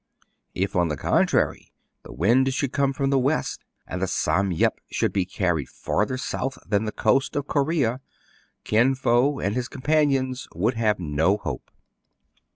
If, on the contrary, the wind should come from the west, and the Sam Yep '* should be carried farther south than the coast of Corea, Kin Fô and his companions would have no hope.